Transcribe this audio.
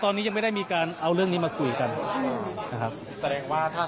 ของก้าวไกลชัดเจนอยู่แล้วนะครับ